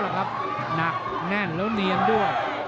หนักแน่นแล้วเนียนด้วย